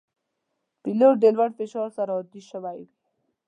پیلوټ د لوړ فشار سره عادي شوی وي.